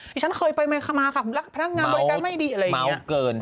ฉันเคยไปมาค่ะรักพนักงานบริการไม่ดีอะไรอย่างนี้